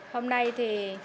hôm nay thì